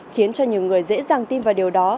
khiến cho nhiều người dễ dàng tin vào điều đó